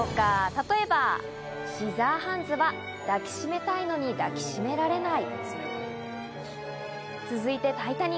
例えば『シザーハンズ』は、「抱きしめたいのに抱き締められない」。